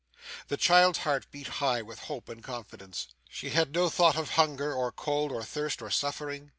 The child's heart beat high with hope and confidence. She had no thought of hunger, or cold, or thirst, or suffering.